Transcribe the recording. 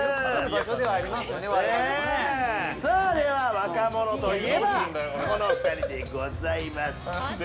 若者といえばこのお二人でございます。